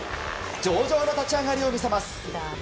上々の立ち上がりを見せます。